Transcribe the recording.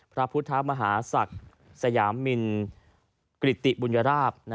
พระพุทธมหาศักดิ์สยามินกริติบุญราบ